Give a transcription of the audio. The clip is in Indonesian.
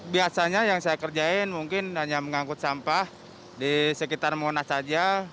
biasanya yang saya kerjain mungkin hanya mengangkut sampah di sekitar monas saja